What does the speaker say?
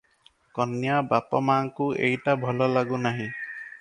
କନ୍ୟା ବାପ ମାଙ୍କୁ ଏଇଟା ଭଲ ଲାଗୁନାହିଁ ।